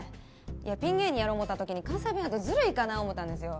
いやピン芸人やろう思うた時に関西弁やとずるいかな思うたんですよ。